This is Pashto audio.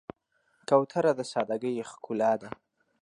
کوتره د سادګۍ ښکلا ده.